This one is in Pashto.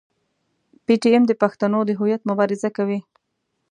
پي ټي ایم د پښتنو د هویت مبارزه کوي.